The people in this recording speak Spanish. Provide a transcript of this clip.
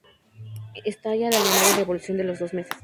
Estalla la llamada Revolución de los dos meses.